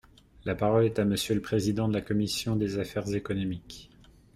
La parole est à Monsieur le président de la commission des affaires économiques.